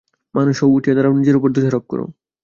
মানুষ হও, উঠিয়া দাঁড়াও, নিজের উপর দোষারোপ কর।